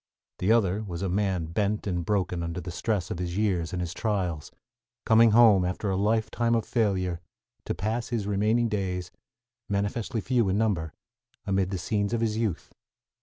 The other was a man bent and broken under the stress of his years and his trials, coming home, after a lifetime of failure, to pass his remaining days, manifestly few in number, amid the scenes of his youth.